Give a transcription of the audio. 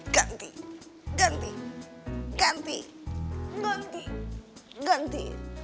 ganti ganti ganti ganti ganti